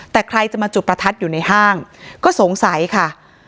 แต่ใครจะมาจุดประทัดอยู่ในห้างก็สงสัยค่ะ